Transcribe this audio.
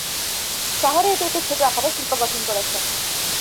শহরে এটি একটি ছোট আকারের শিল্প গঠন করেছে।